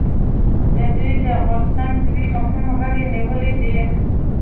د دوی د غورځنګ درې مهم غړي نیولي دي